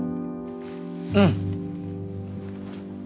うん。